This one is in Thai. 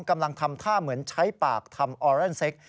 กำลังทำท่าเหมือนใช้ปากทำออรันเซ็ก